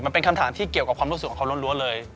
มันเป็นคำถามที่เกี่ยวกับความรู้สึกของเขาล้วนเลย